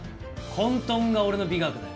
混沌が俺の美学だよ。